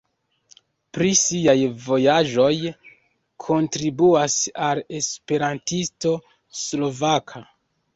Pri siaj vojaĝoj kontribuas al Esperantisto Slovaka.